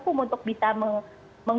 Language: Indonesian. mungkin tidak bisa mengakses layanan